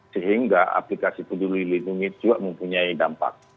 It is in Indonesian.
sehingga aplikasi peduli lindungi juga mempunyai dampak